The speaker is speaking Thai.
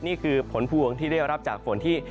นี่คือผลพวงที่ได้รับจากฝนที่